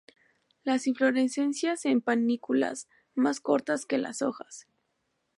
Las inflorescencias en panículas más cortas que las hojas.